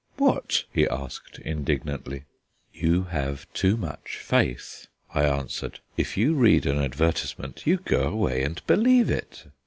"What?" he asked, indignantly. "You have too much faith," I answered. "If you read an advertisement, you go away and believe it.